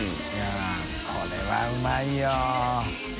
舛これはうまいよ。